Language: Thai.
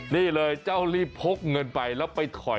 นี่เลยเจ้ารีบพกเงินไปแล้วไปถอย